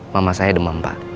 mama saya demam pak